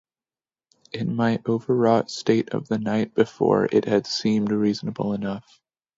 In my overwrought state of the night before, it had seemed reasonable enough